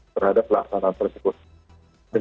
terhadap laksanaan tersebut